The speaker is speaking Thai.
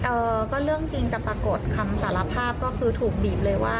เอ่อก็เรื่องจริงจะปรากฏคำสารภาพก็คือถูกบีบเลยว่า